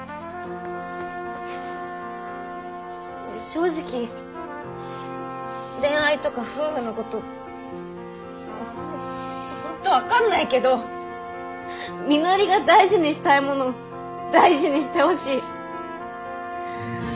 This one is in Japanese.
正直恋愛とか夫婦のこと本当分かんないけどみのりが大事にしたいもの大事にしてほしい。